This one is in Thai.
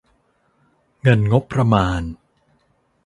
เงินงบประมาณ